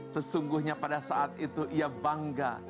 sesungguhnya pada saat itu ia bangga